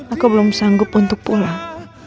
aku belum sanggup untuk pulang